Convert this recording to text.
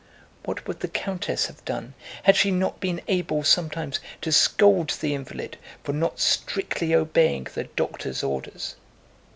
What would the countess have done had she not been able sometimes to scold the invalid for not strictly obeying the doctor's orders?